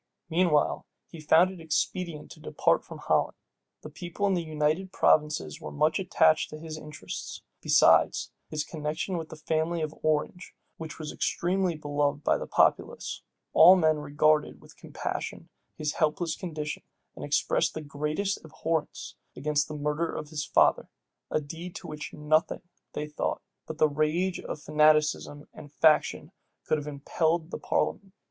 Meanwhile he found it expedient to depart from Holland. The people in the United Provinces were much attached to his interests. Besides his connection with the family of Orange, which was extremely beloved by the populace, all men regarded with compassion his helpless condition, and expressed the greatest abhorrence against the murder of his father; a deed to which nothing, they thought, but the rage of fanaticism and faction could have impelled the parliament.